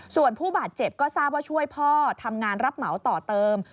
ส่วนผู้บาดเจ็บก็ทราบว่าช่วยพ่อทำงานรับเหมาต่อเติม